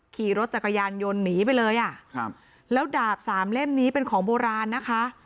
ขี่รถจักรยานยนต์หนีไปเลยอ่ะครับแล้วดาบสามเล่มนี้เป็นของโบราณนะคะ